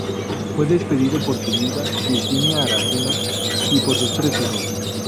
Fue despedido por su viuda, Virgina Aracena, y por sus tres hijos.